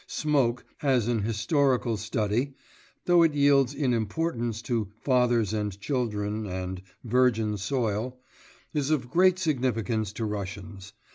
Smoke, as an historical study, though it yields in importance to Fathers and Children and Virgin Soil, is of great significance to Russians.